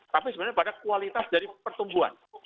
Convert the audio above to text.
tapi sebenarnya pada kualitas dari pertumbuhan